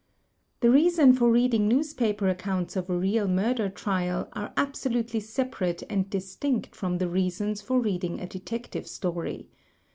The reason for reading newspaper accoimts of a real murder trial are absolutely separate and distinct from the reasons for reading a Detective Story.